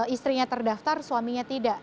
istrinya terdaftar suaminya tidak